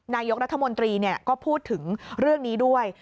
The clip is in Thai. นายกรัฐมนตรีก็พูดถึงเรื่องนี้ด้วย